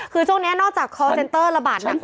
คือช่วงนี้นอกจากคอลเซนเตอร์ระบาดหนัก